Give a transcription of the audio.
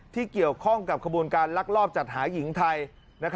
ที่เกี่ยวข้องกับขบวนการลักลอบจัดหาหญิงไทย